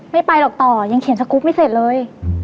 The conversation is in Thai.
ไม่ไปหรอกต่อยังเขียนสกรูปไม่เสร็จเลย